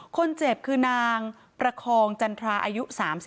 คนเจ็บคือนางประคองจันทราอายุ๓๒